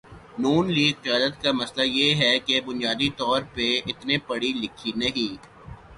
نون لیگی قیادت کا مسئلہ یہ ہے کہ بنیادی طور پہ اتنے پڑھی لکھی نہیں۔